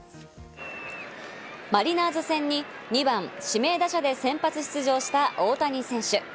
マリナーズ戦に２番・指名打者で先発出場した大谷選手。